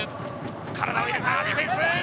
体を張ったディフェンス。